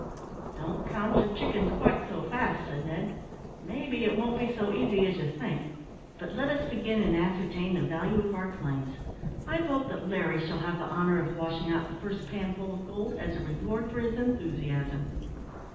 "Don't count your chickens quite so fast," said Ned, "may be it won't be so easy as you think. But let us begin and ascertain the value of our claims; I vote that Larry shall have the honour of washing out the first panful of gold, as a reward for his enthusiasm."